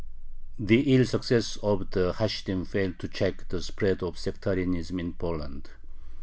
The ill success of the "Hasidim" failed to check the spread of sectarianism in Poland.